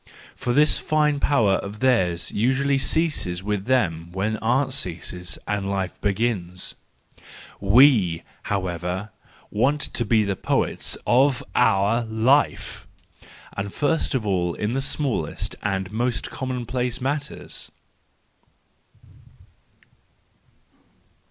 For this fine power of theirs usually ceases with them where art ceases and life begins ; we, however, want to be the poets of our life, and first of all in the smallest and most commonplace matters.